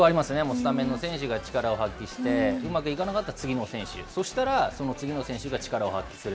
スタメンの選手が力を発揮して、うまくいかなかったら次の選手、そうしたら、その次の選手が力を発揮する。